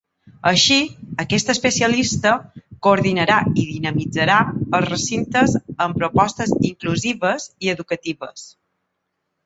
Així, aquest especialista coordinarà i dinamitzarà els recintes amb propostes inclusives i educatives.